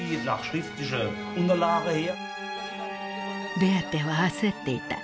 ベアテは焦っていた。